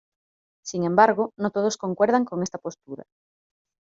Sin embargo, no todos concuerdan con esta postura.